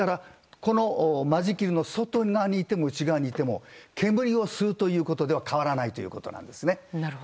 間仕切りの外側にいても内側にいても煙を吸うということでは変わらないということなんです。